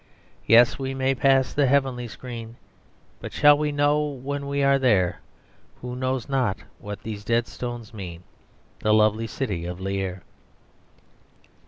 Yes; we may pass the heavenly screen, But shall we know when we are there? Who know not what these dead stones mean, The lovely city of Lierre.